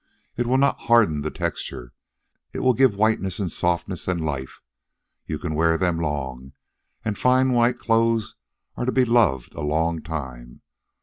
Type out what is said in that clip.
It will not harden the texture. It will give whiteness, and softness, and life. You can wear them long, and fine white clothes are to be loved a long time.